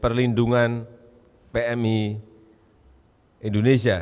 perlindungan pmi indonesia